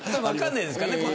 分かんないですからね